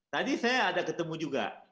tadi saya ada ketemu juga